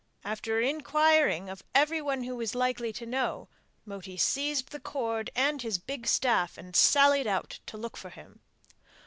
After inquiring of everyone who was likely to know, Moti seized the cord and his big staff and sallied out to look for him.